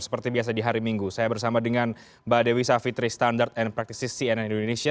seperti biasa di hari minggu saya bersama dengan mbak dewi savitri standard and practices cnn indonesia